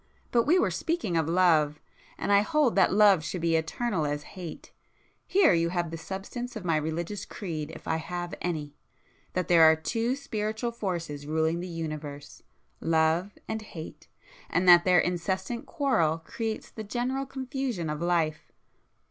But we were speaking of love, and I hold that love should be eternal as hate. Here you have the substance of my religious creed if I have any,—that there are two spiritual forces ruling the universe—love and hate,—and that their incessant quarrel creates the general confusion of life.